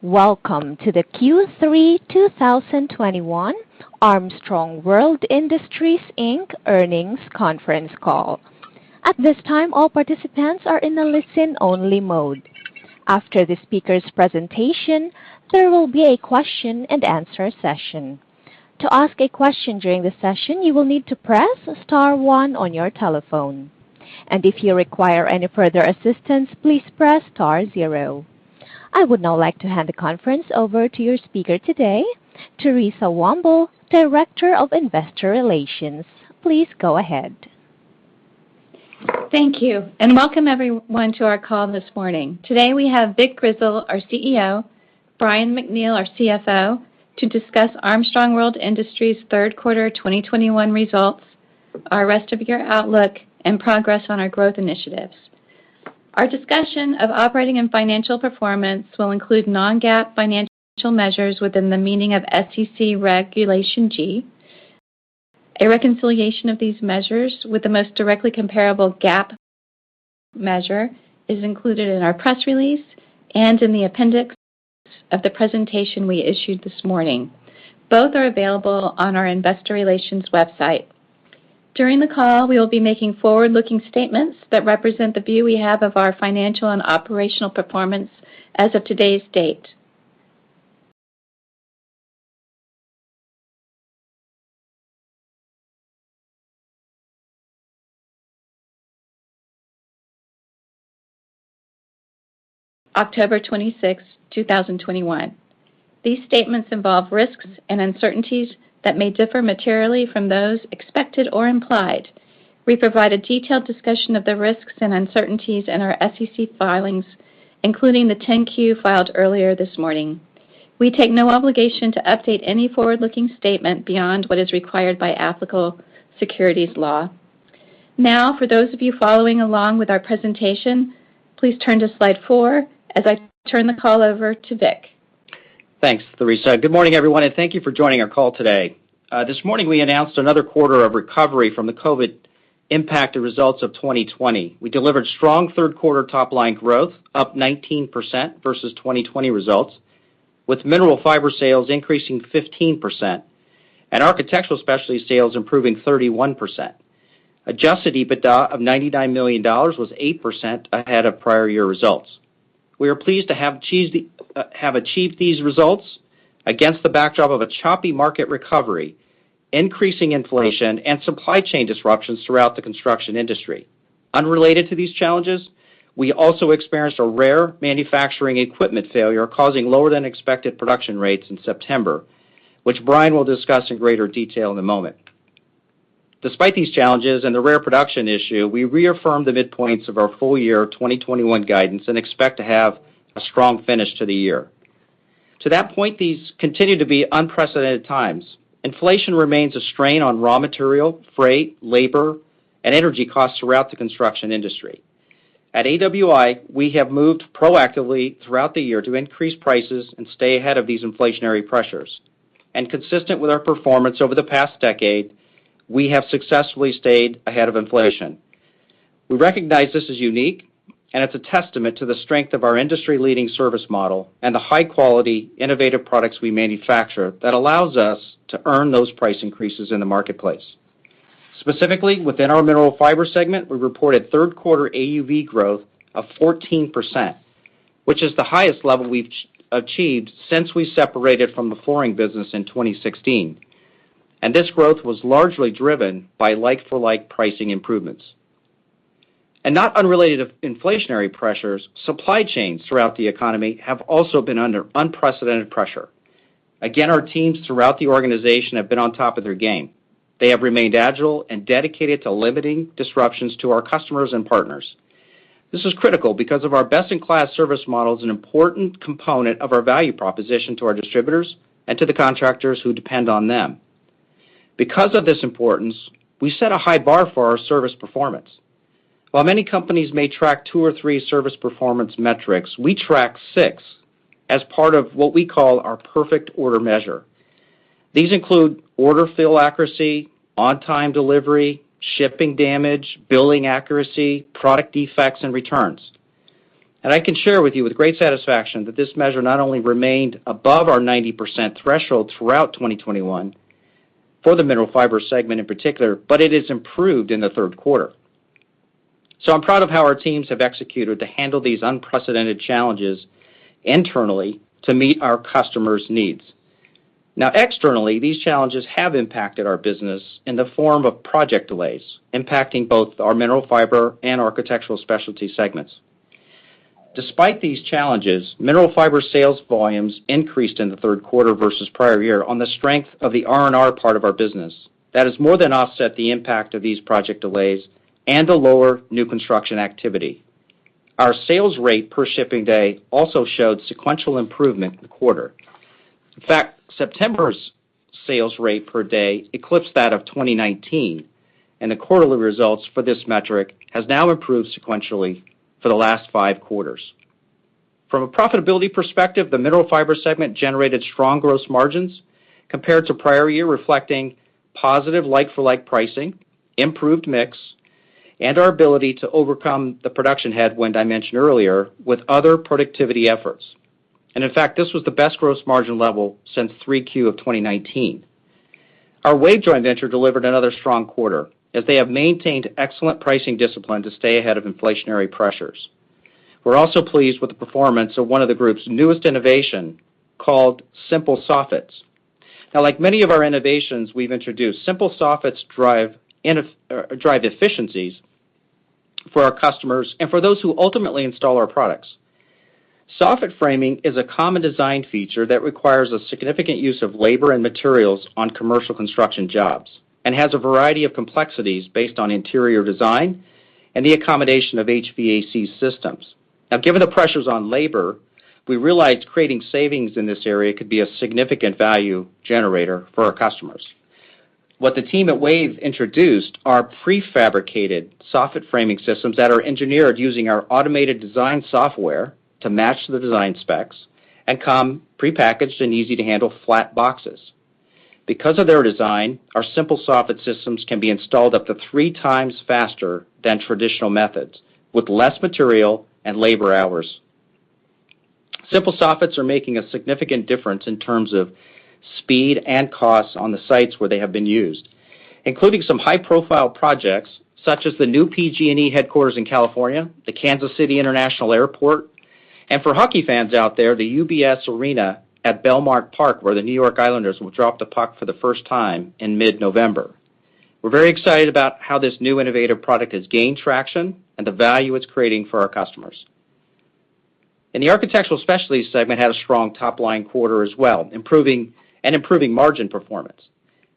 Welcome to the Q3 2021 Armstrong World Industries, Inc. Earnings Conference Call. At this time, all participants are in a listen-only mode. After the speaker's presentation, there will be a question-and-answer session. To ask a question during the session, you will need to press star one on your telephone. If you require any further assistance, please press star zero. I would now like to hand the conference over to your speaker today, Theresa Womble, Director of Investor Relations. Please go ahead. Thank you, and welcome everyone to our call this morning. Today, we have Vic Grizzle, our CEO, Brian MacNeal, our CFO, to discuss Armstrong World Industries third quarter 2021 results, our rest of year outlook, and progress on our growth initiatives. Our discussion of operating and financial performance will include non-GAAP financial measures within the meaning of SEC Regulation G. A reconciliation of these measures with the most directly comparable GAAP measure is included in our press release and in the appendix of the presentation we issued this morning. Both are available on our investor relations website. During the call, we will be making forward-looking statements that represent the view we have of our financial and operational performance as of today's date. October 26, 2021. These statements involve risks and uncertainties that may differ materially from those expected or implied. We provide a detailed discussion of the risks and uncertainties in our SEC filings, including the 10-Q filed earlier this morning. We take no obligation to update any forward-looking statement beyond what is required by applicable securities law. Now, for those of you following along with our presentation, please turn to slide four as I turn the call over to Vic. Thanks, Theresa. Good morning, everyone, and thank you for joining our call today. This morning, we announced another quarter of recovery from the COVID impact, the results of 2020. We delivered strong third-quarter-top-line growth, up 19% versus 2020 results, with mineral fiber sales increasing 15% and architectural specialty sales improving 31%. Adjusted EBITDA of $99 million was 8% ahead of prior year results. We are pleased to have achieved these results against the backdrop of a choppy market recovery, increasing inflation and supply chain disruptions throughout the construction industry. Unrelated to these challenges, we also experienced a rare manufacturing equipment failure causing lower than expected production rates in September, which Brian will discuss in greater detail in a moment. Despite these challenges and the rare production issue, we reaffirm the midpoints of our full year 2021 guidance and expect to have a strong finish to the year. To that point, these continue to be unprecedented times. Inflation remains a strain on raw material, freight, labor, and energy costs throughout the construction industry. At AWI, we have moved proactively throughout the year to increase prices and stay ahead of these inflationary pressures. Consistent with our performance over the past decade, we have successfully stayed ahead of inflation. We recognize this is unique, and it's a testament to the strength of our industry-leading service model and the high-quality, innovative products we manufacture that allows us to earn those price increases in the marketplace. Specifically, within our Mineral Fiber segment, we reported third-quarter AUV growth of 14%, which is the highest level we've achieved since we separated from the flooring business in 2016. This growth was largely driven by like-for-like pricing improvements. Not unrelated to inflationary pressures, supply chains throughout the economy have also been under unprecedented pressure. Again, our teams throughout the organization have been on top of their game. They have remained agile and dedicated to limiting disruptions to our customers and partners. This is critical because our best-in-class service model is an important component of our value proposition to our distributors and to the contractors who depend on them. Because of this importance, we set a high bar for our service performance. While many companies may track two or three service performance metrics, we track six as part of what we call our perfect order measure. These include order fill accuracy, on-time delivery, shipping damage, billing accuracy, product defects, and returns. I can share with you with great satisfaction that this measure not only remained above our 90% threshold throughout 2021 for the Mineral Fiber segment in particular, but it is improved in the third quarter. I'm proud of how our teams have executed to handle these unprecedented challenges internally to meet our customers' needs. Now, externally, these challenges have impacted our business in the form of project delays, impacting both our Mineral Fiber and Architectural Specialties segments. Despite these challenges, Mineral Fiber sales volumes increased in the third quarter versus prior year on the strength of the R&R part of our business. That has more than offset the impact of these project delays and the lower new construction activity. Our sales rate per shipping day also showed sequential improvement in the quarter. In fact, September's sales rate per day eclipsed that of 2019, and the quarterly results for this metric has now improved sequentially for the last five quarters. From a profitability perspective, the Mineral Fiber segment generated strong gross margins compared to prior year, reflecting positive like-for-like pricing, improved mix and our ability to overcome the production headwind I mentioned earlier with other productivity efforts. In fact, this was the best gross margin level since Q3 of 2019. Our WAVE joint venture delivered another strong quarter as they have maintained excellent pricing discipline to stay ahead of inflationary pressures. We're also pleased with the performance of one of the group's newest innovation, called SimpleSoffit. Now, like many of our innovations we've introduced, SimpleSoffit drive efficiencies for our customers and for those who ultimately install our products. Soffit framing is a common design feature that requires a significant use of labor and materials on commercial construction jobs and has a variety of complexities based on interior design and the accommodation of HVAC systems. Now, given the pressures on labor, we realized creating savings in this area could be a significant value generator for our customers. What the team at WAVE introduced are pre-fabricated soffit framing systems that are engineered using our automated design software to match the design specs and come prepackaged in easy-to-handle flat boxes. Because of their design, our SimpleSoffit systems can be installed up to three times faster than traditional methods with less material and labor hours. SimpleSoffit are making a significant difference in terms of speed and cost on the sites where they have been used, including some high-profile projects such as the new PG&E headquarters in California, the Kansas City International Airport, and for hockey fans out there, the UBS Arena at Belmont Park, where the New York Islanders will drop the puck for the first time in mid-November. We're very excited about how this new innovative product has gained traction and the value it's creating for our customers. The Architectural Specialties segment had a strong top-line quarter as well, improving margin performance.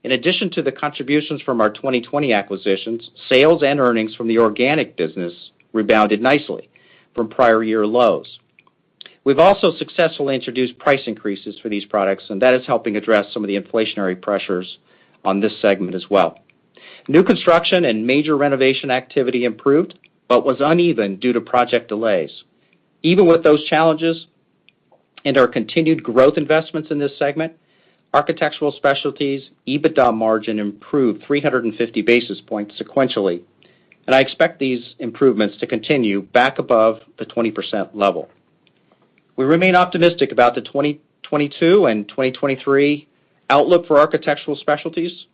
In addition to the contributions from our 2020 acquisitions, sales and earnings from the organic business rebounded nicely from prior year lows. We've also successfully introduced price increases for these products, and that is helping address some of the inflationary pressures on this segment as well. New construction and major renovation activity improved but was uneven due to project delays. Even with those challenges and our continued growth investments in this segment, Architectural Specialties' EBITDA margin improved 350 basis points sequentially, and I expect these improvements to continue back above the 20% level. We remain optimistic about the 2022 and 2023 outlook for Architectural Specialties,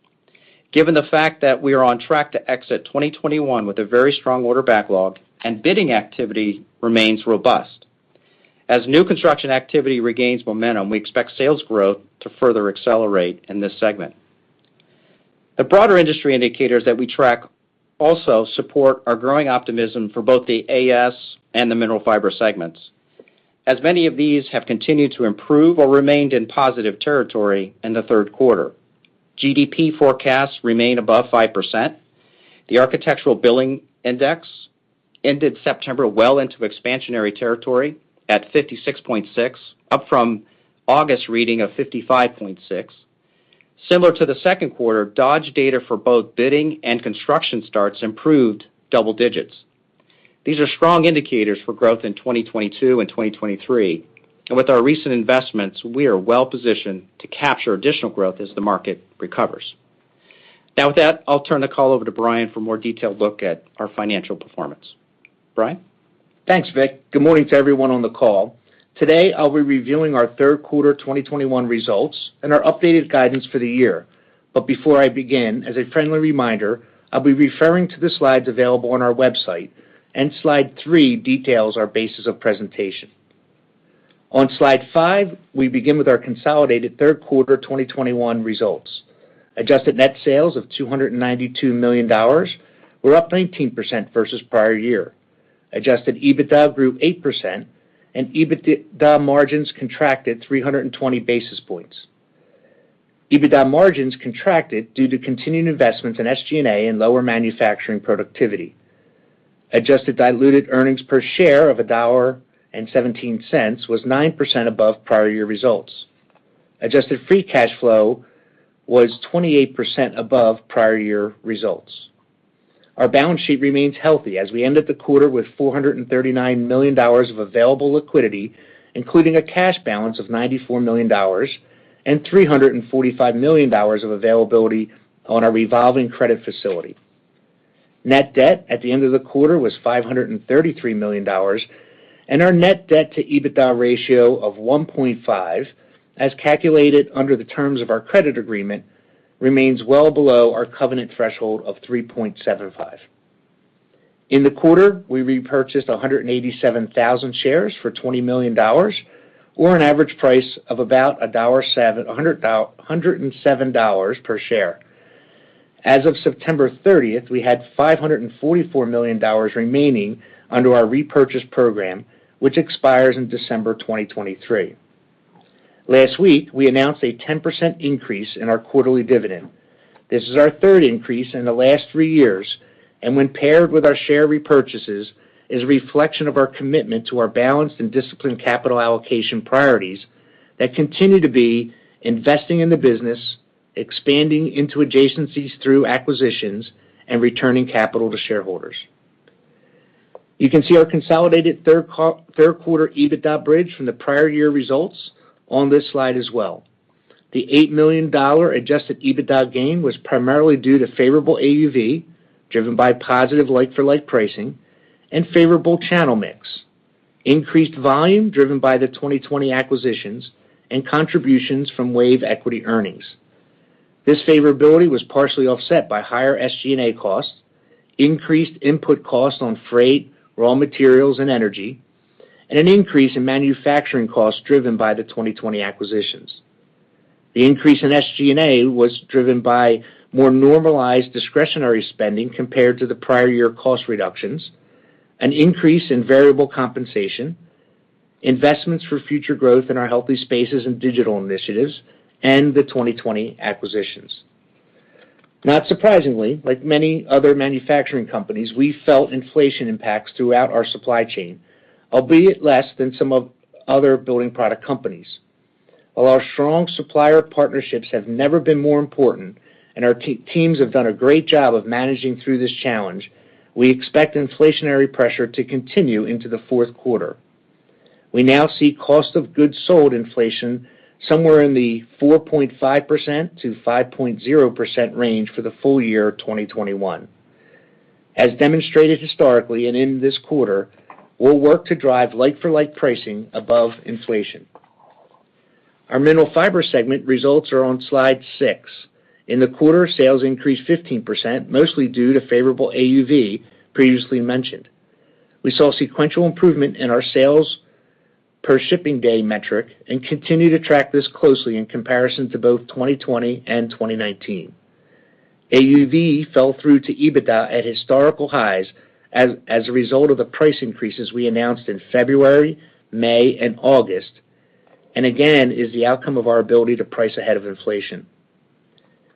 given the fact that we are on track to exit 2021 with a very strong order backlog and bidding activity remains robust. As new construction activity regains momentum, we expect sales growth to further accelerate in this segment. The broader industry indicators that we track also support our growing optimism for both the AS and the Mineral Fiber segments, as many of these have continued to improve or remained in positive territory in the third quarter. GDP forecasts remain above 5%. The Architecture Billings Index ended September well into expansionary territory at 56.6, up from August reading of 55.6. Similar to the second quarter, Dodge data for both bidding and construction starts improved double digits. These are strong indicators for growth in 2022 and 2023, and with our recent investments, we are well-positioned to capture additional growth as the market recovers. Now with that, I'll turn the call over to Brian MacNeal for a more detailed look at our financial performance. Brian MacNeal? Thanks, Vic. Good morning to everyone on the call. Today, I'll be reviewing our third quarter 2021 results and our updated guidance for the year. Before I begin, as a friendly reminder, I'll be referring to the slides available on our website, and slide three details our basis of presentation. On slide five, we begin with our consolidated third quarter 2021 results. Adjusted net sales of $292 million were up 19% versus prior year. Adjusted EBITDA grew 8%, and EBITDA margins contracted 320 basis points. EBITDA magins contracted due to continued investments in SG&A and lower manufacturing productivity. Adjusted diluted earnings per share of $1.17 was 9% above prior year results. Adjusted free cash flow was 28% above prior year results. Our balance sheet remains healthy as we end the quarter with $439 million of available liquidity, including a cash balance of $94 million and $345 million of availability on our revolving credit facility. Net debt at the end of the quarter was $533 million, and our net debt to EBITDA ratio of 1.5, as calculated under the terms of our credit agreement, remains well below our covenant threshold of 3.75. In the quarter, we repurchased 187,000 shares for $20 million, or an average price of about a 107 dollars per share. As of September 30, we had $544 million remaining under our repurchase program, which expires in December 2023. Last week, we announced a 10% increase in our quarterly dividend. This is our third increase in the last three years, and when paired with our share repurchases, is a reflection of our commitment to our balanced and disciplined capital allocation priorities that continue to be investing in the business, expanding into adjacencies through acquisitions, and returning capital to shareholders. You can see our consolidated third-quarter EBITDA bridge from the prior year results on this slide as well. The $8 million adjusted EBITDA gain was primarily due to favorable AUV, driven by positive like-for-like pricing and favorable channel mix, increased volume driven by the 2020 acquisitions, and contributions from WAVE equity earnings. This favorability was partially offset by higher SG&A costs, increased input costs on freight, raw materials, and energy, and an increase in manufacturing costs driven by the 2020 acquisitions. The increase in SG&A was driven by more normalized discretionary spending compared to the prior year cost reductions, an increase in variable compensation, investments for future growth in our Healthy Spaces and digital initiatives, and the 2020 acquisitions. Not surprisingly, like many other manufacturing companies, we felt inflation impacts throughout our supply chain, albeit less than some of other building product companies. While our strong supplier partnerships have never been more important, and our teams have done a great job of managing through this challenge, we expect inflationary pressure to continue into the fourth quarter. We now see cost of goods sold inflation somewhere in the 4.5%-5.0% range for the full year 2021. As demonstrated historically and in this quarter, we'll work to drive like- for-like pricing above inflation. Our Mineral Fiber segment results are on slide six. In the quarter, sales increased 15%, mostly due to favorable AUV previously mentioned. We saw sequential improvement in our sales per shipping day metric and continue to track this closely in comparison to both 2020 and 2019. AUV fell through to EBITDA at historical highs as a result of the price increases we announced in February, May, and August, and again, is the outcome of our ability to price ahead of inflation.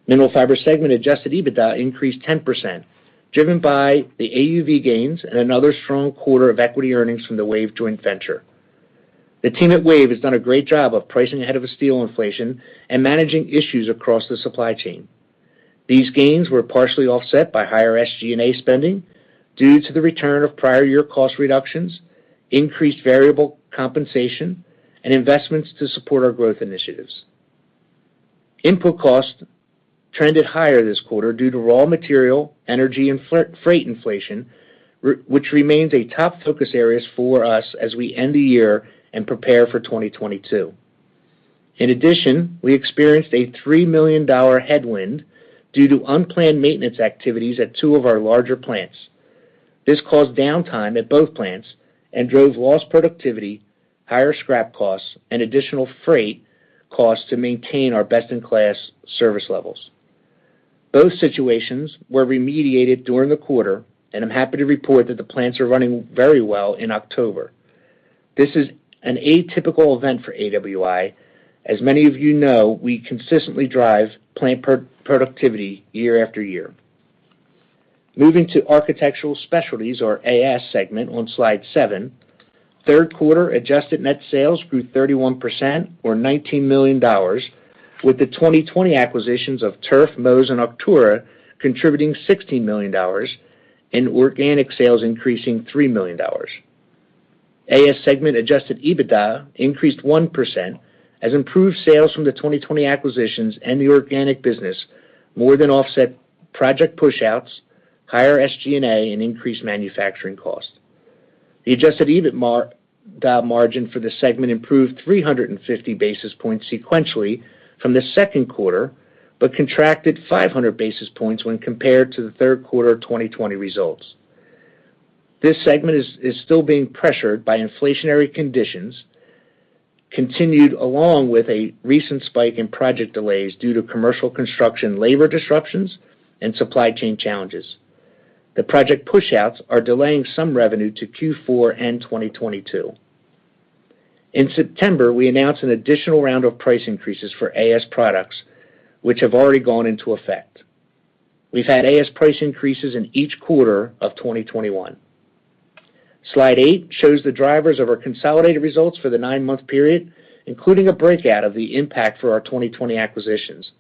Mineral Fiber segment adjusted EBITDA increased 10%, driven by the AUV gains and another strong quarter of equity earnings from the WAVE joint venture. The team at WAVE has done a great job of pricing ahead of steel inflation and managing issues across the supply chain. These gains were partially offset by higher SG&A spending due to the return of prior year cost reductions, increased variable compensation, and investments to support our growth initiatives. Input costs trended higher this quarter due to raw material, energy, and freight inflation, which remains a top focus areas for us as we end the year and prepare for 2022. In addition, we experienced a $3 million headwind due to unplanned maintenance activities at two of our larger plants. This caused downtime at both plants and drove lost productivity, higher scrap costs, and additional freight costs to maintain our best-in-class service levels. Both situations were remediated during the quarter, and I'm happy to report that the plants are running very well in October. This is an atypical event for AWI. As many of you know, we consistently drive plant productivity year-after-year. Moving to Architectural Specialties or AS segment on slide seven, third quarter adjusted net sales grew 31% or $19 million, with the 2020 acquisitions of Turf, Moz, and Arktura contributing $16 million and organic sales increasing $3 million. AS segment adjusted EBITDA increased 1% as improved sales from the 2020 acquisitions and the organic business more than offset project pushouts, higher SG&A, and increased manufacturing costs. The adjusted EBITDA margin for the segment improved 350 basis points sequentially from the second quarter, but contracted 500 basis points when compared to the third quarter of 2020 results. This segment is still being pressured by inflationary conditions, continued, along with a recent spike in project delays due to commercial construction labor disruptions and supply chain challenges. The project pushouts are delaying some revenue to Q4 and 2022. In September, we announced an additional round of price increases for AS products, which have already gone into effect. We've had AS price increases in each quarter of 2021. Slide eight shows the drivers of our consolidated results for the nine-month period, including a breakout of the impact for our 2020 acquisitions.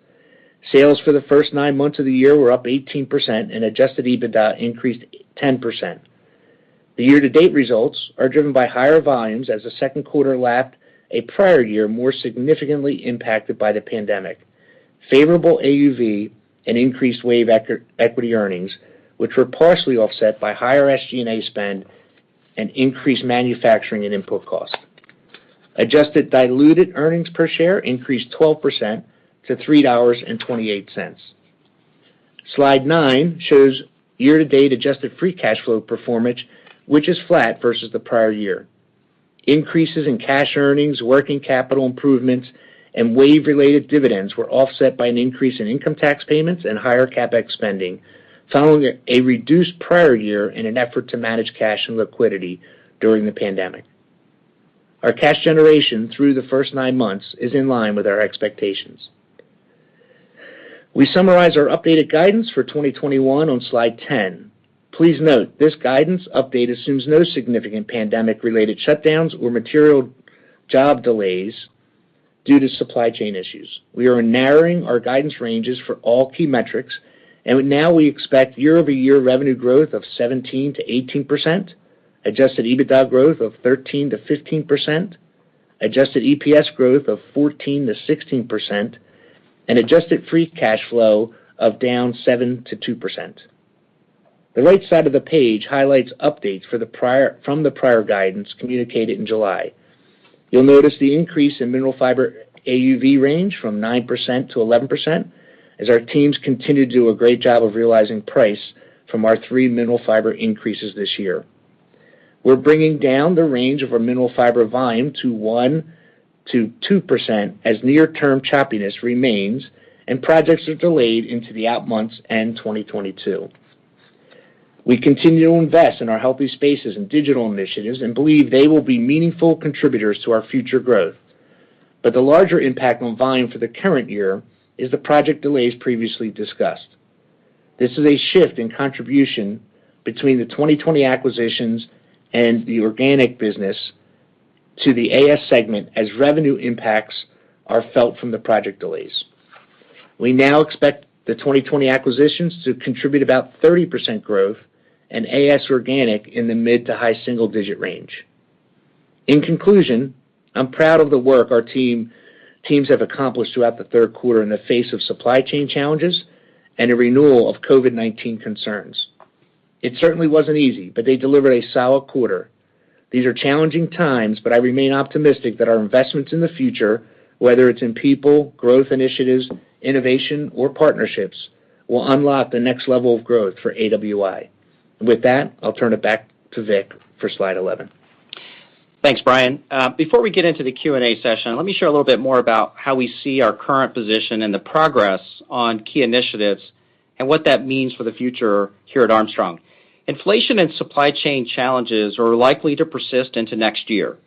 Sales for the first nine months of the year were up 18% and adjusted EBITDA increased 10%. The year-to-date results are driven by higher volumes as the second quarter lapped a prior year more significantly impacted by the pandemic, favorable AUV, and increased WAVE equity earnings, which were partially offset by higher SG&A spend and increased manufacturing and input costs. Adjusted diluted earnings per share increased 12% to $3.28. Slide nine shows year-to-date adjusted free cash flow performance, which is flat versus the prior year. Increases in cash earnings, working capital improvements, and WAVE-related dividends were offset by an increase in income tax payments and higher CapEx spending, following a reduced prior year in an effort to manage cash and liquidity during the pandemic. Our cash generation through the first nine months is in line with our expectations. We summarize our updated guidance for 2021 on slide 10. Please note this guidance update assumes no significant pandemic-related shutdowns or material job delays. Due to supply chain issues, we are narrowing our guidance ranges for all key metrics, and now we expect year-over-year revenue growth of 17%-18%, adjusted EBITDA growth of 13%-15%, adjusted EPS growth of 14%-16%, and adjusted free cash flow of down 7%-2%. The right side of the page highlights updates from the prior guidance communicated in July. You'll notice the increase in Mineral Fiber AUV range from 9%-11% as our teams continue to do a great job of realizing price from our three Mineral Fiber increases this year. We're bringing down the range of our Mineral Fiber volume to 1%-2% as near-term choppiness remains and projects are delayed into the out months and 2022. We continue to invest in our Healthy Spaces and digital initiatives and believe they will be meaningful contributors to our future growth. The larger impact on volume for the current year is the project delays previously discussed. This is a shift in contribution between the 2020 acquisitions and the organic business to the AS segment as revenue impacts are felt from the project delays. We now expect the 2020 acquisitions to contribute about 30% growth and AS organic in the mid-to-high-single-digit range. In conclusion, I'm proud of the work our team has accomplished throughout the third quarter in the face of supply chain challenges and a renewal of COVID-19 concerns. It certainly wasn't easy, but they delivered a solid quarter. These are challenging times, but I remain optimistic that our investments in the future, whether it's in people, growth initiatives, innovation, or partnerships, will unlock the next level of growth for AWI. With that, I'll turn it back to Vic for slide 11. Thanks, Brian. Before we get into the Q&A session, let me share a little bit more about how we see our current position, and the progress on key initiatives and what that means for the future here at Armstrong. Inflation and supply chain challenges are likely to persist into next year.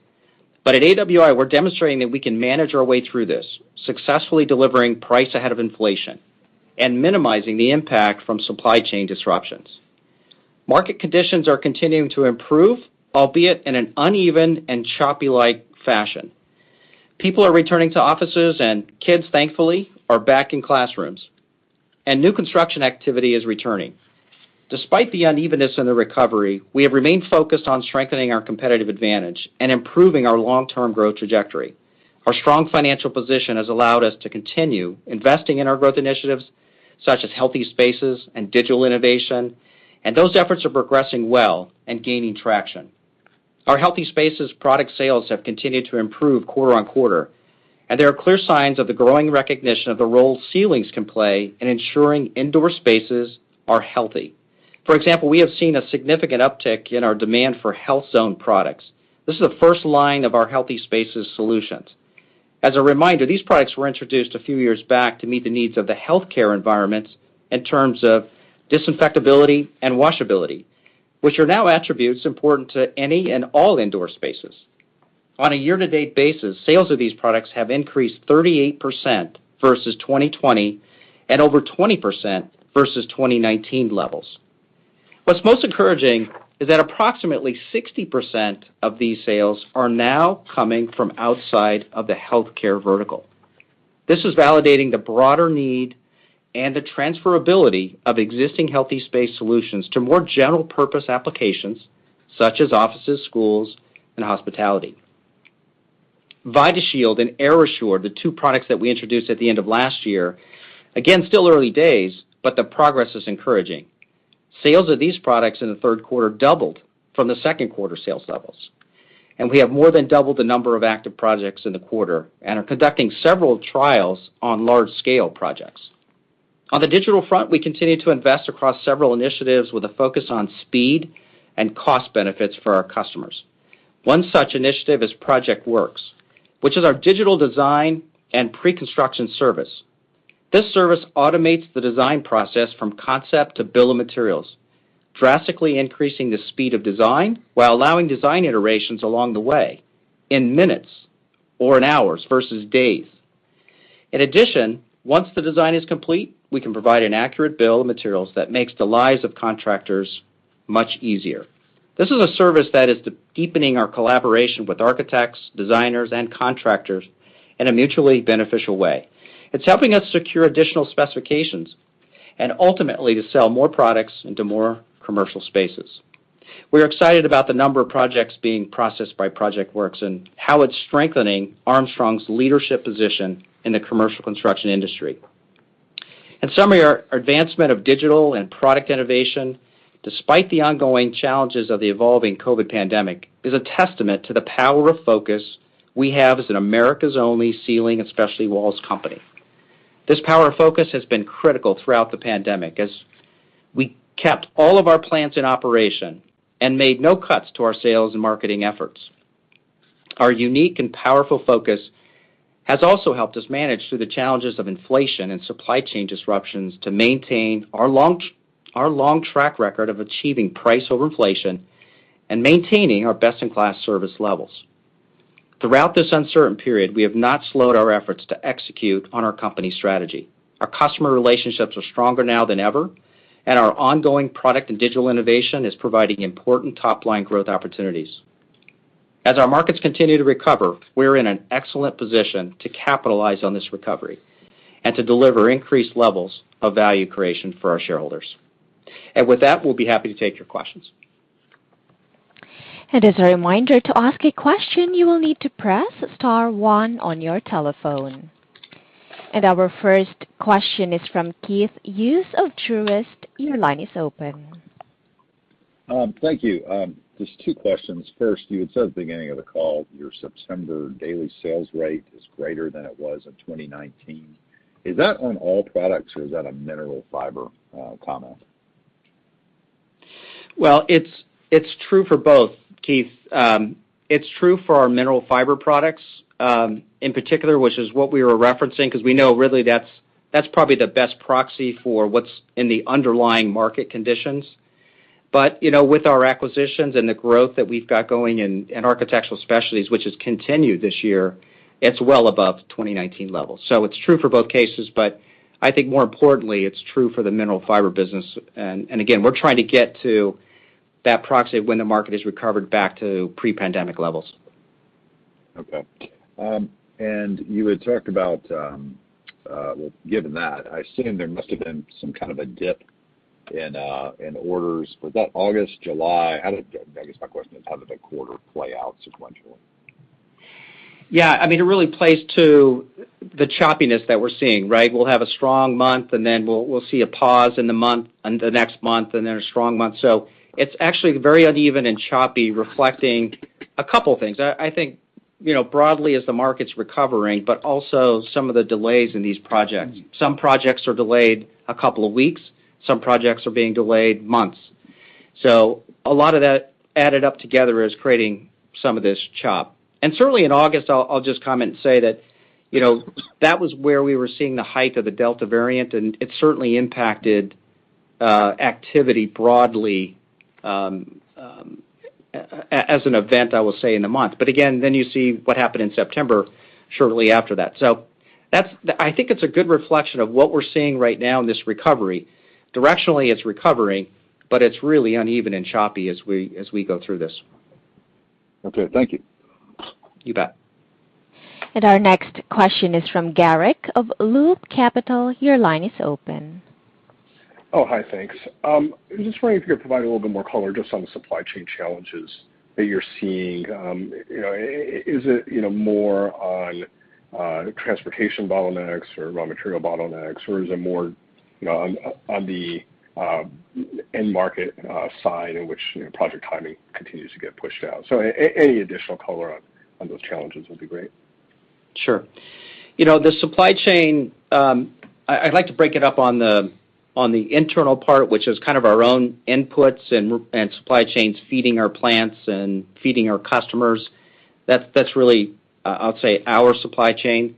At AWI, we're demonstrating that we can manage our way through this, successfully delivering price ahead of inflation and minimizing the impact from supply chain disruptions. Market conditions are continuing to improve, albeit in an uneven and choppy-like fashion. People are returning to offices, and kids, thankfully, are back in classrooms, and new construction activity is returning. Despite the unevenness in the recovery, we have remained focused on strengthening our competitive advantage and improving our long-term growth trajectory. Our strong financial position has allowed us to continue investing in our growth initiatives, such as Healthy Spaces and digital innovation, and those efforts are progressing well and gaining traction. Our Healthy Spaces product sales have continued to improve quarter-on- quarter, and there are clear signs of the growing recognition of the role ceilings can play in ensuring indoor spaces are healthy. For example, we have seen a significant uptick in our demand for Health Zone products. This is the first line of our Healthy Spaces solutions. As a reminder, these products were introduced a few years back to meet the needs of the healthcare environments in terms of disinfectability and washability, which are now attributes important to any and all indoor spaces. On a year-to-date basis, sales of these products have increased 38% versus 2020 and over 20% versus 2019 levels. What's most encouraging is that approximately 60% of these sales are now coming from outside of the healthcare vertical. This is validating the broader need and the transferability of existing Healthy Spaces solutions to more general-purpose applications such as offices, schools, and hospitality. VidaShield and AirAssure, the two products that we introduced at the end of last year, again, still early days, but the progress is encouraging. Sales of these products in the third quarter doubled from the second quarter sales levels, and we have more than doubled the number of active projects in the quarter, and are conducting several trials on large-scale projects. On the digital front, we continue to invest across several initiatives with a focus on speed and cost benefits for our customers. One such initiative is ProjectWorks, which is our digital design and pre-construction service. This service automates the design process from concept to bill of materials, drastically increasing the speed of design while allowing design iterations along the way in minutes or in hours versus days. In addition, once the design is complete, we can provide an accurate bill of materials that makes the lives of contractors much easier. This is a service that is deepening our collaboration with architects, designers, and contractors in a mutually beneficial way. It's helping us secure additional specifications and ultimately to sell more products into more commercial spaces. We're excited about the number of projects being processed by ProjectWorks and how it's strengthening Armstrong's leadership position in the commercial construction industry. In summary, our advancement of digital and product innovation, despite the ongoing challenges of the evolving COVID pandemic, is a testament to the power of focus we have as America's only ceiling and specialty walls company. This power of focus has been critical throughout the pandemic as we kept all of our plants in operation and made no cuts to our sales and marketing efforts. Our unique and powerful focus has also helped us manage through the challenges of inflation and supply chain disruptions to maintain our long track record of achieving price over inflation and maintaining our best-in-class service levels. Throughout this uncertain period, we have not slowed our efforts to execute on our company strategy. Our customer relationships are stronger now than ever. Our ongoing product and digital innovation is providing important top-line growth opportunities. As our markets continue to recover, we're in an excellent position to capitalize on this recovery and to deliver increased levels of value creation for our shareholders. With that, we'll be happy to take your questions. As a reminder, to ask a question, you will need to press star one on your telephone. Our first question is from Keith Hughes of Truist. Your line is open. Thank you. Just two questions. First, you had said at the beginning of the call, your September daily sales rate is greater than it was in 2019. Is that on all products, or is that a Mineral Fiber comment? Well, it's true for both, Keith. It's true for our Mineral Fiber products, in particular, which is what we were referencing, 'cause we know really that's probably the best proxy for what's in the underlying market conditions. You know, with our acquisitions and the growth that we've got going in Architectural Specialties, which has continued this year, it's well above 2019 levels. It's true for both cases, but I think more importantly, it's true for the Mineral Fiber business. Again, we're trying to get to that proxy of when the market is recovered back to pre-pandemic levels. Okay. You had talked about, well given that, I assume there must have been some kind of a dip in orders. Was that August, July? I guess my question is how did the quarter play out sequentially? Yeah, I mean, it really plays to the choppiness that we're seeing, right? We'll have a strong month, and then we'll see a pause in the month, and the next month, and then a strong month. It's actually very uneven and choppy, reflecting a couple things. I think, you know, broadly as the market's recovering, but also some of the delays in these projects. Some projects are delayed a couple of weeks, some projects are being delayed months. A lot of that added up together is creating some of this chop. Certainly, in August, I'll just comment and say that, you know, that was where we were seeing the height of the Delta variant, and it certainly impacted activity broadly, as an event, I will say, in the month. Again, then you see what happened in September shortly after that. That's, I think it's a good reflection of what we're seeing right now in this recovery. Directionally, it's recovering, but it's really uneven and choppy as we go through this. Okay, thank you. You bet. Our next question is from Garik Shmois of Loop Capital. Your line is open. Oh, hi, thanks. I'm just wondering if you could provide a little bit more color just on the supply chain challenges that you're seeing. You know, is it, you know, more on transportation bottlenecks or raw material bottlenecks, or is it more, you know, on the end market side in which, you know, project timing continues to get pushed out? Any additional color on those challenges would be great. Sure. You know, the supply chain, I'd like to break it up on the internal part, which is kind of our own inputs and supply chains feeding our plants and feeding our customers. That's really, I'll say our supply chain.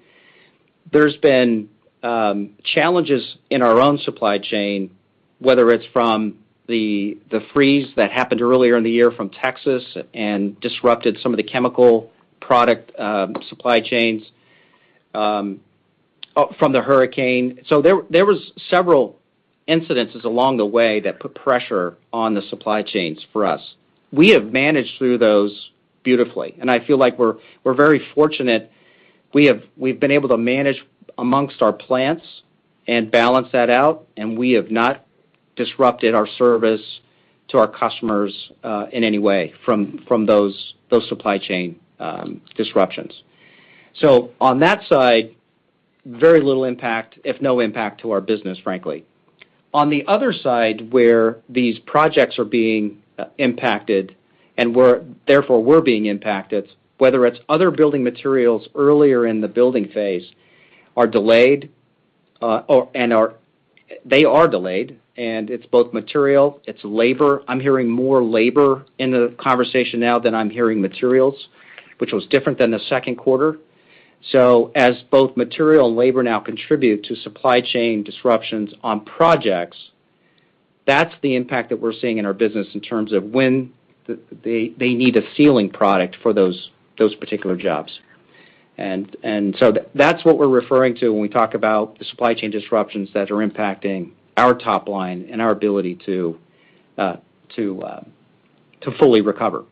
There's been challenges in our own supply chain, whether it's from the freeze that happened earlier in the year from Texas and disrupted some of the chemical product supply chains, oh, from the hurricane. There was several incidences along the way that put pressure on the supply chains for us. We have managed through those beautifully, and I feel like we're very fortunate. We've been able to manage among our plants and balance that out, and we have not disrupted our service to our customers in any way from those supply chain disruptions. On that side, very little impact, if no impact to our business, frankly. On the other side, where these projects are being impacted and we're being impacted, whether it's other building materials earlier in the building phase are delayed. They are delayed, and it's both materials, labor. I'm hearing more labor in the conversation now than I'm hearing materials, which was different than the second quarter. As both material and labor now contribute to supply chain disruptions on projects, that's the impact that we're seeing in our business in terms of when they need a ceiling product for those particular jobs. That's what we're referring to when we talk about the supply chain disruptions that are impacting our top line and our ability to fully recover.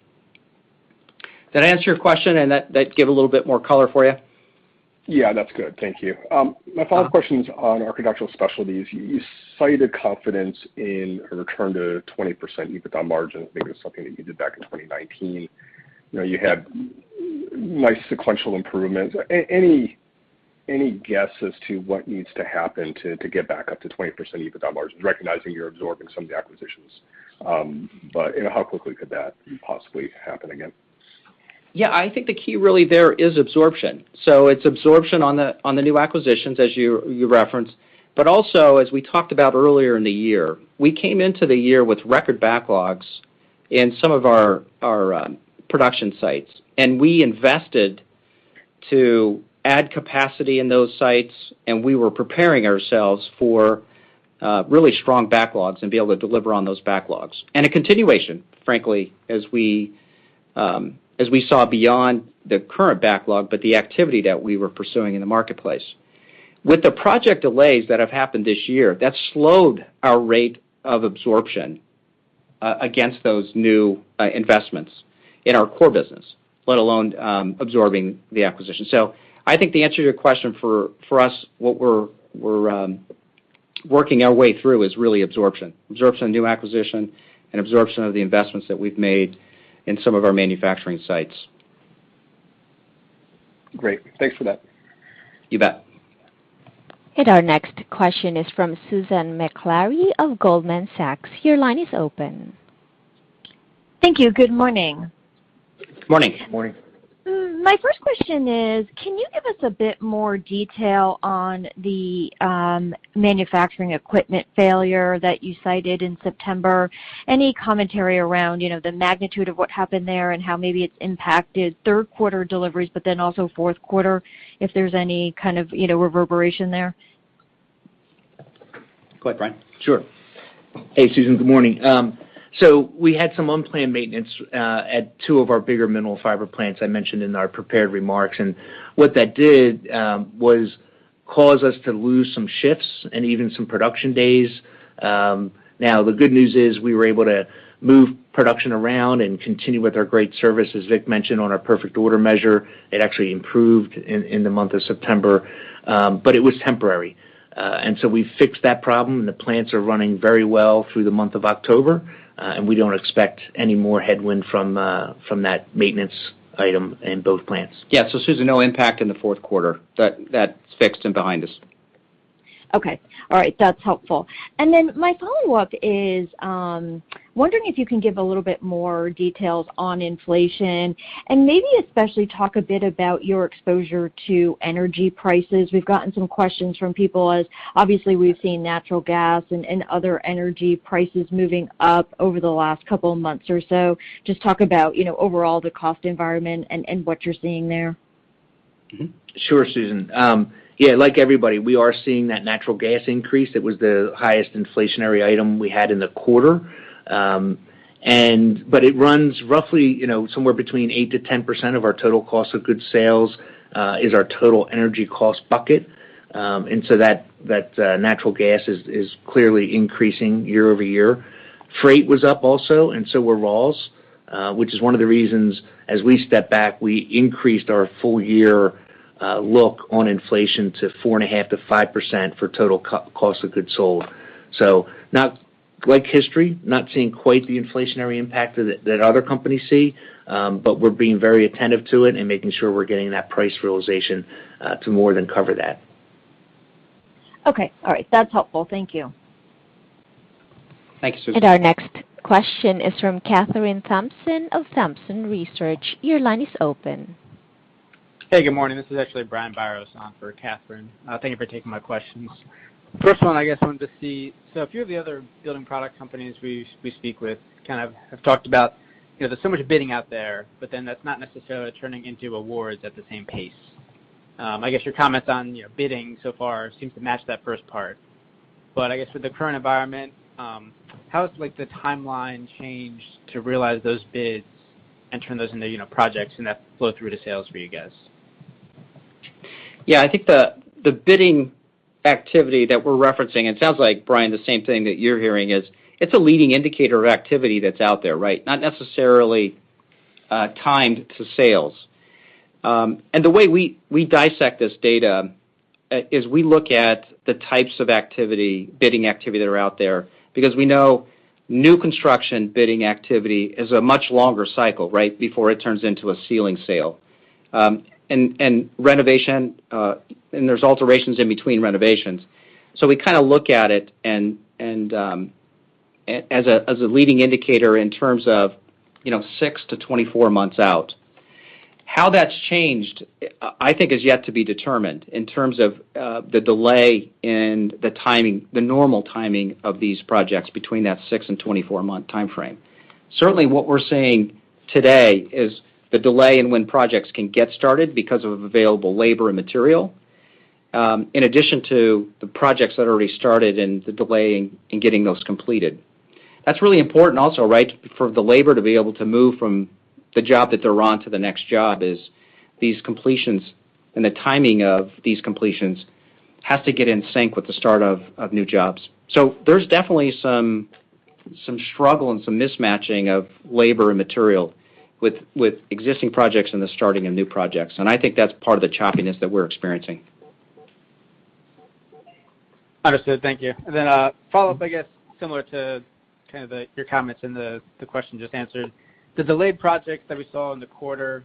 Did that answer your question and that give a little bit more color for you? Yeah, that's good. Thank you. My follow-up question is on Architectural Specialties. You cited confidence in a return to 20% EBITDA margin. I think it was something that you did back in 2019. You know, you had nice sequential improvements. Any guess as to what needs to happen to get back up to 20% EBITDA margin, recognizing you're absorbing some of the acquisitions? You know, how quickly could that possibly happen again? Yeah. I think the key really there is absorption. It's absorption on the new acquisitions as you referenced, but also, as we talked about earlier in the year, we came into the year with record backlogs in some of our production sites, and we invested to add capacity in those sites, and we were preparing ourselves for really strong backlogs and be able to deliver on those backlogs. A continuation, frankly, as we saw beyond the current backlog, but the activity that we were pursuing in the marketplace. With the project delays that have happened this year, that slowed our rate of absorption against those new investments in our core business, let alone absorbing the acquisition. I think the answer to your question for us, what we're working our way through is really absorption. Absorption of new acquisition and absorption of the investments that we've made in some of our manufacturing sites. Great. Thanks for that. You bet. Our next question is from Susan Maklari of Goldman Sachs. Your line is open. Thank you. Good morning. Good morning. Good morning. My first question is, can you give us a bit more detail on the manufacturing equipment failure that you cited in September? Any commentary around, you know, the magnitude of what happened there and how maybe it's impacted third quarter deliveries, but then also fourth quarter, if there's any kind of, you know, reverberation there? Go ahead, Brian. Sure. Hey, Susan, good morning. We had some unplanned maintenance at two of our bigger Mineral Fiber plants I mentioned in our prepared remarks. What that did was cause us to lose some shifts and even some production days. Now, the good news is we were able to move production around and continue with our great service. As Vic mentioned on our perfect order measure, it actually improved in the month of September, but it was temporary. We fixed that problem, and the plants are running very well through the month of October. We don't expect any more headwind from that maintenance item in both plants. Yeah. Susan, no impact in the fourth quarter. That's fixed and behind us. Okay. All right. That's helpful. My follow-up is wondering if you can give a little bit more details on inflation, and maybe especially talk a bit about your exposure to energy prices. We've gotten some questions from people as, obviously, we've seen natural gas and other energy prices moving up over the last couple of months or so. Just talk about, you know, overall the cost environment and what you're seeing there. Sure, Susan. Yeah, like everybody, we are seeing that natural gas increase. It was the highest inflationary item we had in the quarter. It runs roughly, you know, somewhere between 8%-10% of our total cost of goods sold is our total energy cost bucket. That natural gas is clearly increasing year-over-year. Freight was up also, and so were raws, which is one of the reasons, as we step back, we increased our full-year outlook on inflation to 4.5%-5% for total cost of goods sold. Historically, we're not seeing quite the inflationary impact that other companies see, but we're being very attentive to it and making sure we're getting that price realization to more than cover that. Okay. All right. That's helpful. Thank you. Thank you, Susan. Our next question is from Brian Biros of Thompson Research. Your line is open. Hey, good morning. This is actually Brian Biros on for Kathryn. Thank you for taking my questions. First one, I guess I wanted to see a few of the other building product companies we speak with kind of have talked about, you know, there's so much bidding out there, but then that's not necessarily turning into awards at the same pace. I guess your comments on, you know, bidding so far seems to match that first part. I guess with the current environment, how has like the timeline changed to realize those bids and turn those into, you know, projects and that flow through to sales for you guys? Yeah. I think the bidding activity that we're referencing, it sounds like, Brian, the same thing that you're hearing is, it's a leading indicator of activity that's out there, right? Not necessarily timed to sales. The way we dissect this data is we look at the types of activity, bidding activity that are out there, because we know new construction bidding activity is a much longer cycle, right? Before it turns into a ceiling sale. And renovation, and there's alterations in between renovations. We kinda look at it and as a leading indicator in terms of, you know, six-24 months out. How that's changed, I think is yet to be determined in terms of the delay and the timing, the normal timing of these projects between that six and 24-month timeframe. Certainly, what we're seeing today is the delay in when projects can get started because of available labor and material, in addition to the projects that already started and the delay in getting those completed. That's really important also, right, for the labor to be able to move from the job that they're on to the next job is these completions and the timing of these completions has to get in sync with the start of new jobs. There's definitely some struggle and some mismatching of labor and material with existing projects and the starting of new projects. I think that's part of the choppiness that we're experiencing. Understood. Thank you. Follow-up, I guess, similar to kind of your comments in the question just answered. The delayed projects that we saw in the quarter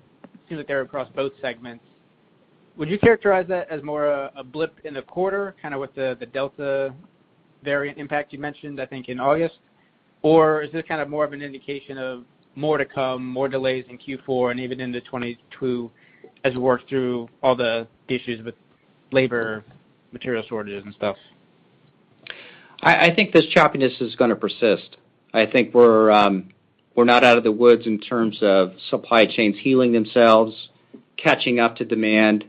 seem like they were across both segments. Would you characterize that as more a blip in the quarter, kind of with the Delta variant impact you mentioned, I think, in August? Or is this kind of more of an indication of more to come, more delays in Q4, and even into 2022 as we work through all the issues with labor, material shortages, and stuff? I think this choppiness is gonna persist. I think we're not out of the woods in terms of supply chains healing themselves, catching up to demand.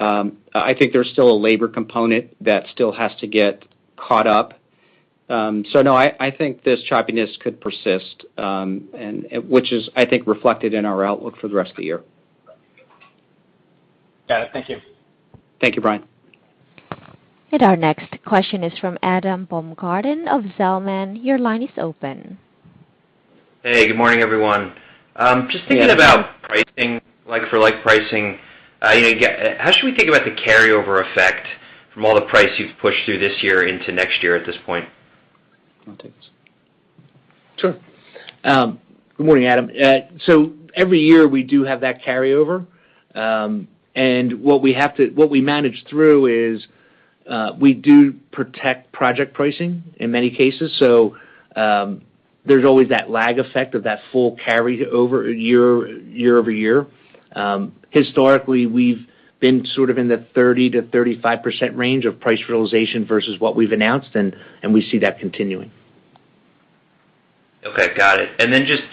I think there's still a labor component that still has to get caught up. No, I think this choppiness could persist, and which is, I think, reflected in our outlook for the rest of the year. Got it. Thank you. Thank you, Brian. Our next question is from Adam Baumgarten of Zelman. Your line is open. Hey, good morning, everyone. Just thinking about pricing, like for like pricing, you know, how should we think about the carryover effect from all the price you've pushed through this year into next year at this point? You wanna take this? Sure. Good morning, Adam. Every year we do have that carryover. What we manage through is we do protect project pricing in many cases. There's always that lag effect of that full carryover year-over-year. Historically, we've been sort of in the 30%-35% range of price realization versus what we've announced, and we see that continuing. Okay. Got it. Just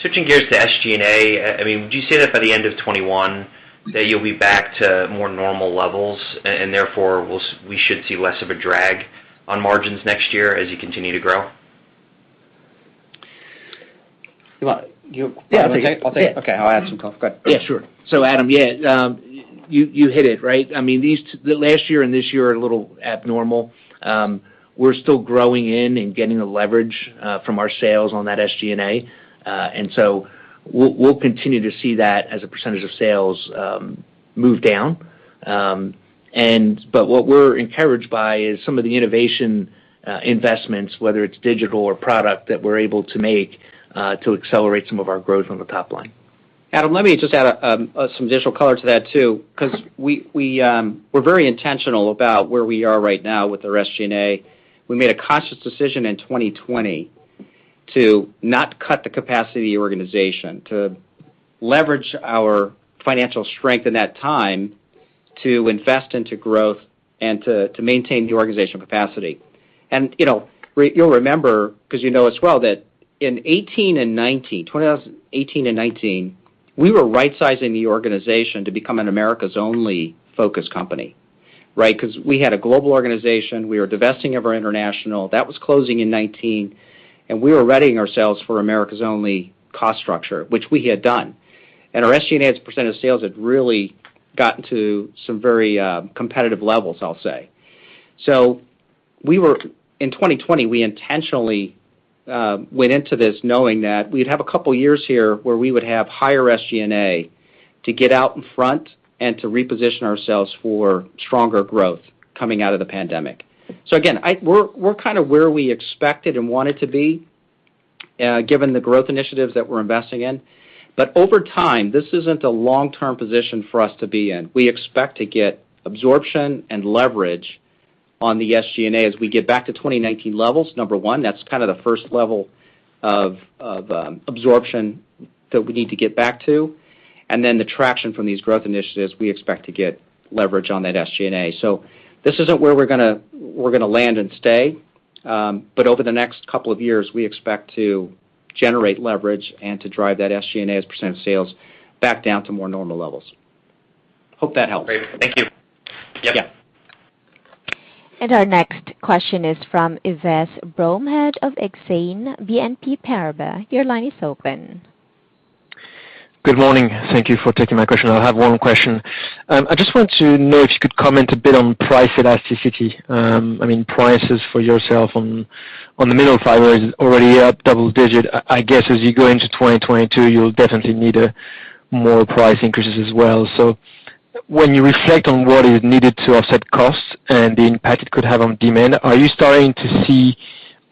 switching gears to SG&A, I mean, would you say that by the end of 2021 that you'll be back to more normal levels and therefore we should see less of a drag on margins next year as you continue to grow? You want. Yeah. I'll take it. Okay, I'll add some color. Go ahead. Yeah, sure. Adam, yeah, you hit it, right? I mean, these two, the last year and this year are a little abnormal. We're still growing and getting the leverage from our sales on that SG&A. We'll continue to see that as a percentage of sales move down. But what we're encouraged by is some of the innovation investments, whether it's digital or product that we're able to make to accelerate some of our growth on the top line. Adam, let me just add some additional color to that too, 'cause we're very intentional about where we are right now with our SG&A. We made a conscious decision in 2020 to not cut the capacity of the organization, to leverage our financial strength in that time to invest into growth and to maintain the organization capacity. You know, you'll remember, 'cause you know as well, that in 2018 and 2019, we were rightsizing the organization to become an Americas-only focus company, right? 'Cause we had a global organization, we were divesting of our international. That was closing in 2019, and we were readying ourselves for Americas-only cost structure, which we had done. Our SG&A as a percent of sales had really gotten to some very competitive levels, I'll say. in 2020, we intentionally went into this knowing that we'd have a couple of years here where we would have higher SG&A to get out in front and to reposition ourselves for stronger growth coming out of the pandemic. Again, we're kind of where we expected and wanted to be, given the growth initiatives that we're investing in. Over time, this isn't a long-term position for us to be in. We expect to get absorption and leverage on the SG&A as we get back to 2019 levels. Number one, that's kind of the first level of absorption that we need to get back to. Then the traction from these growth initiatives, we expect to get leverage on that SG&A. This isn't where we're gonna land and stay. Over the next couple of years, we expect to generate leverage and to drive that SG&A as a percentage of sales back down to more normal levels. Hope that helps. Great. Thank you. Yeah. Yeah. Our next question is from Rafe Jadrosich of Exane BNP Paribas. Your line is open. Good morning. Thank you for taking my question. I have one question. I just want to know if you could comment a bit on price elasticity. I mean, prices for yourself on the Mineral Fiber is already up double-digit. I guess as you go into 2022, you'll definitely need more price increases as well. When you reflect on what is needed to offset costs and the impact it could have on demand, are you starting to see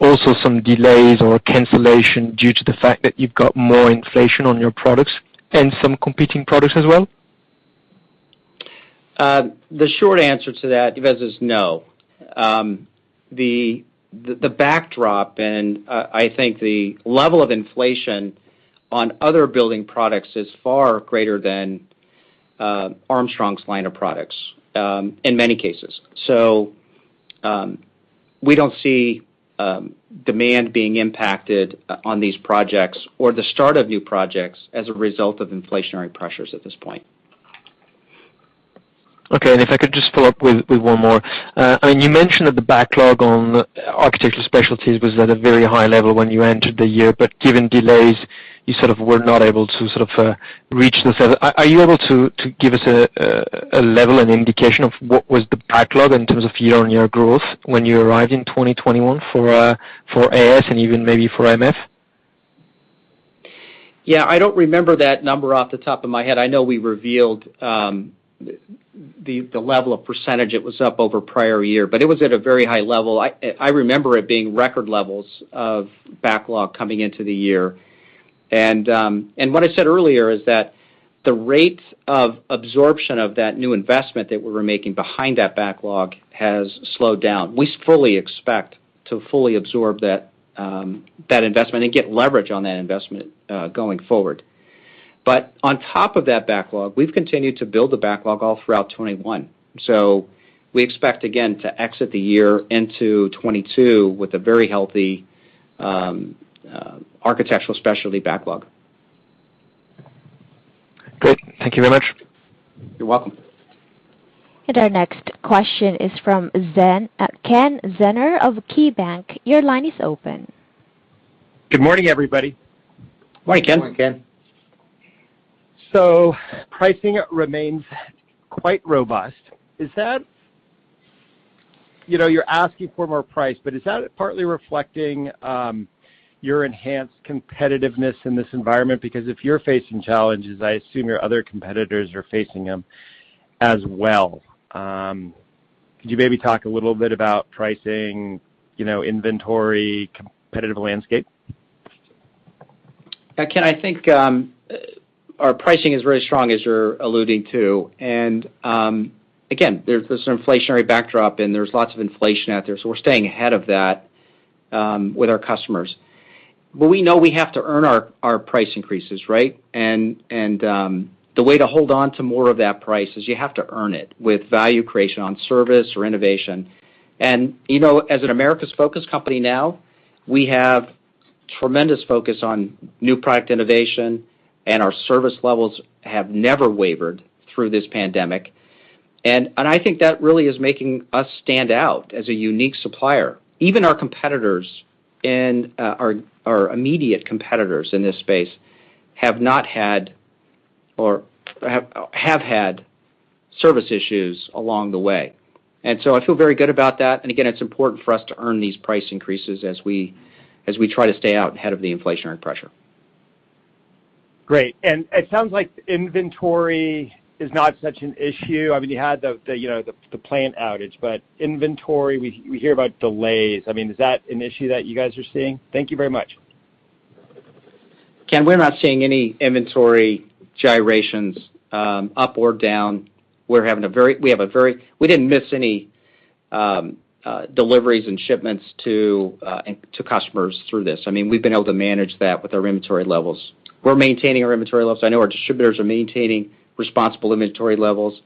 also some delays or cancellation due to the fact that you've got more inflation on your products and some competing products as well? The short answer to that, Rafe Jadrosich, is no. The backdrop and I think the level of inflation on other building products is far greater than Armstrong's line of products in many cases. We don't see demand being impacted on these projects or the start of new projects as a result of inflationary pressures at this point. Okay. If I could just follow up with one more. I mean, you mentioned that the backlog on Architectural Specialties was at a very high level when you entered the year, but given delays, you sort of were not able to sort of reach this level. Are you able to give us a level, an indication of what was the backlog in terms of year-on-year growth when you arrived in 2021 for AS and even maybe for MF? Yeah. I don't remember that number off the top of my head. I know we revealed the level of percentage it was up over prior year, but it was at a very high level. I remember it being record levels of backlog coming into the year. What I said earlier is that the rate of absorption of that new investment that we were making behind that backlog has slowed down. We fully expect to fully absorb that investment and get leverage on that investment going forward. On top of that backlog, we've continued to build the backlog all throughout 2021. We expect, again, to exit the year into 2022 with a very healthy Architectural Specialties backlog. Great. Thank you very much. You're welcome. Our next question is from Ken Zener of KeyBanc. Your line is open. Good morning, everybody. Morning, Ken. Morning, Ken. Pricing remains quite robust. Is that you know, you're asking for more price, but is that partly reflecting your enhanced competitiveness in this environment? Because if you're facing challenges, I assume your other competitors are facing them as well. Could you maybe talk a little bit about pricing, you know, inventory, competitive landscape? Ken, I think our pricing is very strong, as you're alluding to. Again, there's this inflationary backdrop, and there's lots of inflation out there, so we're staying ahead of that with our customers. We know we have to earn our price increases, right? The way to hold on to more of that price is you have to earn it with value creation on service or innovation. You know, as an Americas-focused company now, we have tremendous focus on new product innovation, and our service levels have never wavered through this pandemic. I think that really is making us stand out as a unique supplier. Even our competitors and our immediate competitors in this space have not had or have had service issues along the way. I feel very good about that. Again, it's important for us to earn these price increases as we try to stay out ahead of the inflationary pressure. Great. It sounds like inventory is not such an issue. I mean, you had the you know the plant outage, but inventory, we hear about delays. I mean, is that an issue that you guys are seeing? Thank you very much. Ken, we're not seeing any inventory gyrations, up or down. We didn't miss any deliveries and shipments to customers through this. I mean, we've been able to manage that with our inventory levels. We're maintaining our inventory levels. I know our distributors are maintaining responsible inventory levels.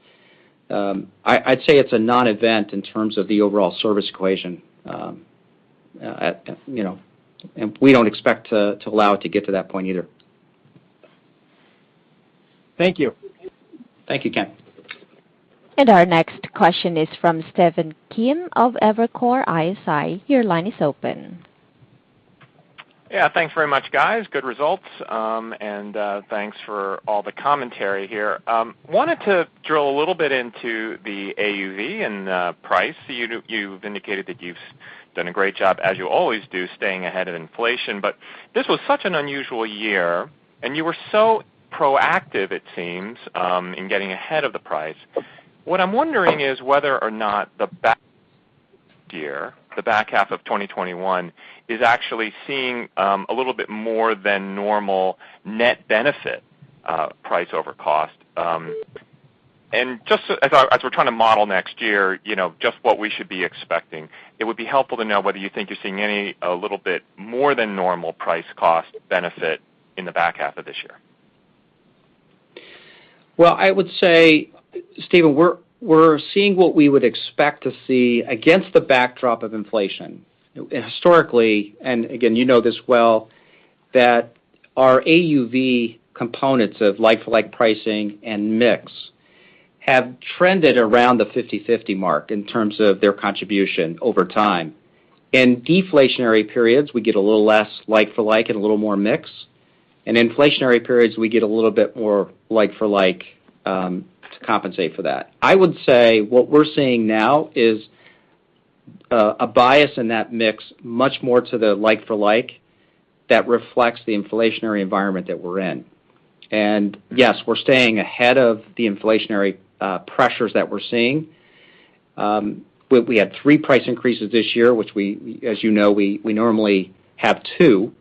I'd say it's a non-event in terms of the overall service equation. You know, we don't expect to allow it to get to that point either. Thank you. Thank you, Ken. Our next question is from Stephen Kim of Evercore ISI. Your line is open. Yeah. Thanks very much, guys. Good results. And thanks for all the commentary here. Wanted to drill a little bit into the AUV and price. You've indicated that you've done a great job, as you always do, staying ahead of inflation. But this was such an unusual year, and you were so proactive, it seems, in getting ahead of the price. What I'm wondering is whether or not the back half of the year, the back half of 2021, is actually seeing a little bit more than normal net benefit, price over cost. And just as we're trying to model next year, you know, just what we should be expecting, it would be helpful to know whether you think you're seeing any, a little bit more than normal price cost benefit in the back half of this year. Well, I would say, Stephen, we're seeing what we would expect to see against the backdrop of inflation. Historically, and again, you know this well, that our AUV components of like-for-like pricing and mix have trended around the 50-50 mark in terms of their contribution over time. In deflationary periods, we get a little less like-for-like and a little more mix. In inflationary periods, we get a little bit more like-for-like to compensate for that. I would say what we're seeing now is a bias in that mix, much more to the like-for-like that reflects the inflationary environment that we're in. Yes, we're staying ahead of the inflationary pressures that we're seeing. We had three price increases this year, which, as you know, we normally have two.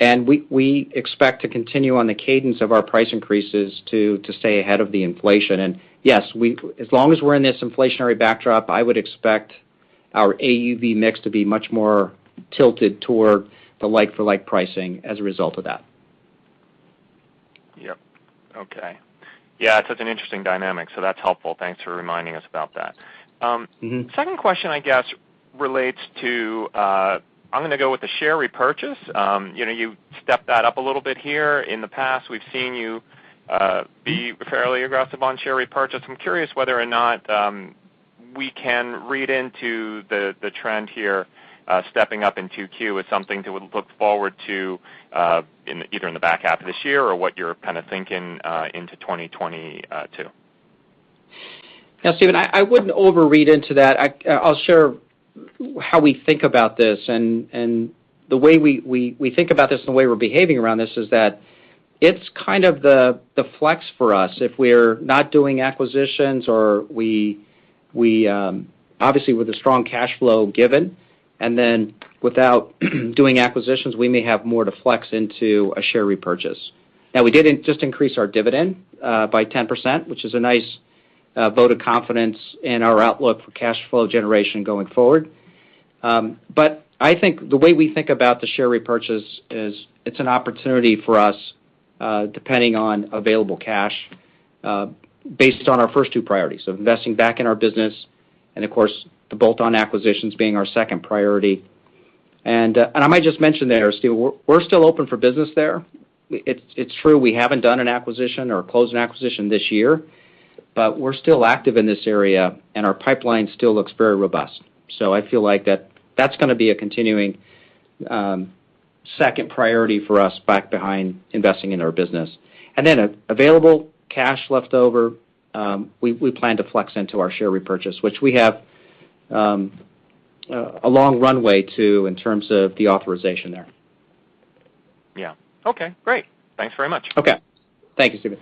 We expect to continue on the cadence of our price increases to stay ahead of the inflation. Yes, as long as we're in this inflationary backdrop, I would expect our AUV mix to be much more tilted toward the like for like pricing as a result of that. Yep. Okay. Yeah, it's such an interesting dynamic, so that's helpful. Thanks for reminding us about that. Second question, I guess, relates to. I'm gonna go with the share repurchase. You know, you stepped that up a little bit here. In the past, we've seen you be fairly aggressive on share repurchase. I'm curious whether or not we can read into the trend here, stepping up in 2Q is something to look forward to, in either the back half of this year or what you're kinda thinking into 2022. Now, Stephen, I wouldn't overread into that. I'll share how we think about this. The way we think about this and the way we're behaving around this is that it's kind of the flex for us. If we're not doing acquisitions, obviously, with the strong cash flow given, and then without doing acquisitions, we may have more to flex into a share repurchase. Now, we just increased our dividend by 10%, which is a nice vote of confidence in our outlook for cash flow generation going forward. But I think the way we think about the share repurchase is it's an opportunity for us, depending on available cash, based on our first two priorities of investing back in our business and, of course, the bolt-on acquisitions being our second priority. I might just mention there, Stephen, we're still open for business there. It's true, we haven't done an acquisition or closed an acquisition this year, but we're still active in this area, and our pipeline still looks very robust. I feel like that's gonna be a continuing second priority for us back behind investing in our business. Available cash left over, we plan to flex into our share repurchase, which we have a long runway to in terms of the authorization there. Yeah. Okay, great. Thanks very much. Okay. Thank you, Stephen.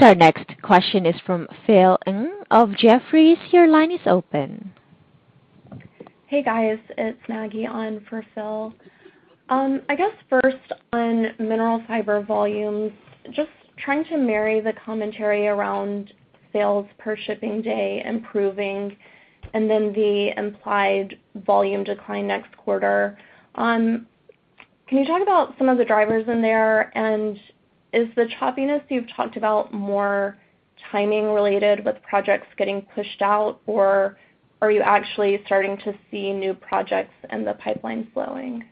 Our next question is from Maggie of Jefferies. Your line is open. Hey, guys. It's Maggie on for Phil Ng. I guess first on Mineral Fiber volumes, just trying to marry the commentary around sales per shipping day improving, and then the implied volume decline next quarter. Can you talk about some of the drivers in there? And is the choppiness you've talked about more timing-related with projects getting pushed out, or are you actually starting to see new projects in the pipeline flowing?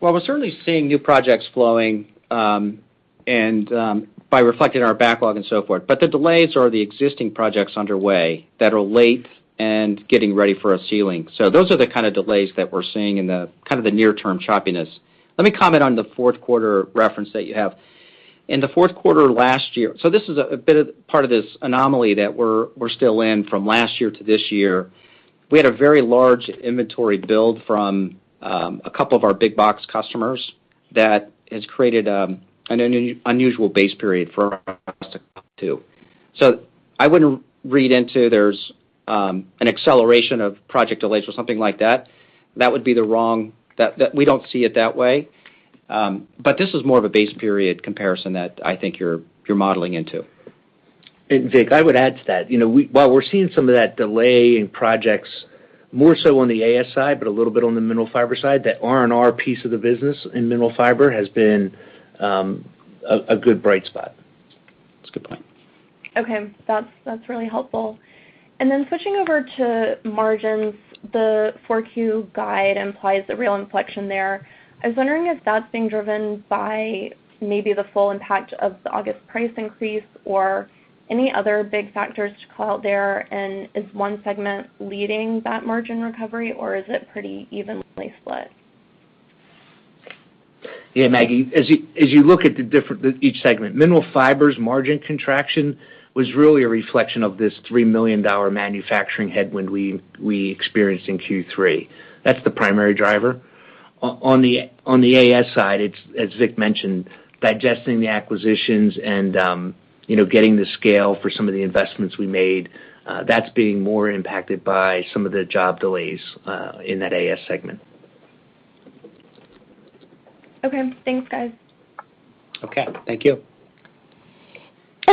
Well, we're certainly seeing new projects flowing, and by reflecting our backlog and so forth. The delays are the existing projects underway that are late and getting ready for a ceiling. Those are the kind of delays that we're seeing in the kind of the near-term choppiness. Let me comment on the fourth quarter reference that you have. In the fourth quarter last year. This is a bit of part of this anomaly that we're still in from last year to this year. We had a very large inventory build from a couple of our big box customers that has created an unusual base period for us to compare to. I wouldn't read into that there's an acceleration of project delays or something like that. That would be the wrong. That, we don't see it that way. This is more of a base period comparison that I think you're modeling into. Vic, I would add to that. You know, while we're seeing some of that delay in projects, more so on the AS side, but a little bit on the Mineral Fiber side, that R&R piece of the business in Mineral Fiber has been a good bright spot. That's a good point. Okay. That's really helpful. Switching over to margins, the Q4 guide implies a real inflection there. I was wondering if that's being driven by maybe the full impact of the August price increase or any other big factors to call out there. Is one segment leading that margin recovery, or is it pretty evenly split? Yeah, Maggie, as you look at the different, each segment, Mineral Fiber margin contraction was really a reflection of this $3 million manufacturing headwind we experienced in Q3. That's the primary driver. On the AS side, it's as Vic mentioned, digesting the acquisitions and, you know, getting the scale for some of the investments we made, that's being more impacted by some of the job delays in that AS segment. Okay. Thanks, guys. Okay. Thank you.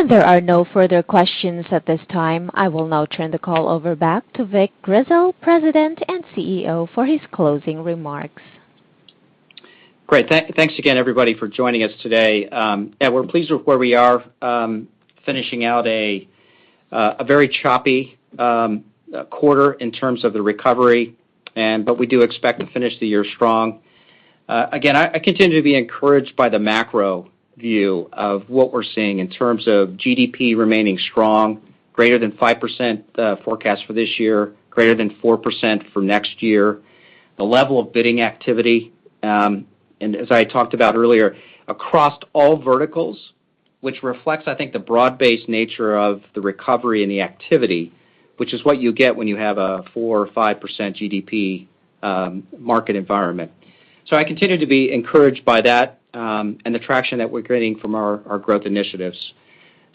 There are no further questions at this time. I will now turn the call over back to Vic Grizzle, President and CEO, for his closing remarks. Great. Thanks again, everybody, for joining us today. We're pleased with where we are, finishing out a very choppy quarter in terms of the recovery, but we do expect to finish the year strong. Again, I continue to be encouraged by the macro view of what we're seeing in terms of GDP remaining strong, greater than 5% forecast for this year, greater than 4% for next year. The level of bidding activity, and as I talked about earlier, across all verticals, which reflects, I think, the broad-based nature of the recovery and the activity, which is what you get when you have a 4% or 5% GDP market environment. I continue to be encouraged by that and the traction that we're getting from our growth initiatives.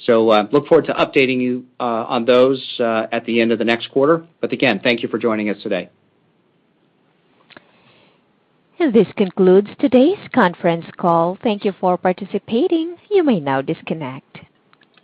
I look forward to updating you on those at the end of the next quarter. Again, thank you for joining us today. This concludes today's conference call. Thank you for participating. You may now disconnect.